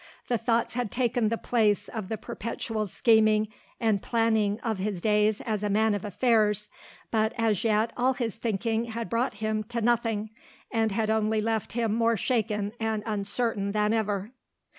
The thoughts had taken the place of the perpetual scheming and planning of his days as a man of affairs, but as yet all his thinking had brought him to nothing and had only left him more shaken and uncertain then ever.